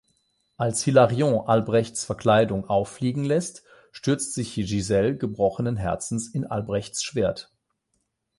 Als Hilarion Albrechts Verkleidung auffliegen lässt, stürzt sich Giselle gebrochenen Herzens in Albrechts Schwert.